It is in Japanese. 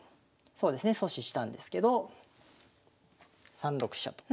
そうですね阻止したんですけど３六飛車と。